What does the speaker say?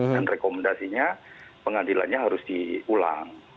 rekomendasinya pengadilannya harus diulang